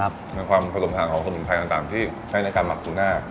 เป็นความผสมทางของความสุนภัยต่างที่ให้ในการหมับสุดหน้า